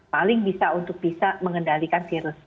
paling bisa untuk bisa mengendalikan virus